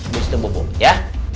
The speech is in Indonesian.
di situ bubuk ya